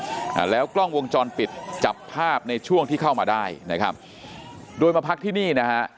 อ่าแล้วกล้องวงจรปิดจับภาพในช่วงที่เข้ามาได้นะครับโดยมาพักที่นี่นะฮะ